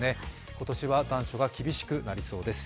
今年は残暑が厳しくなりそうです。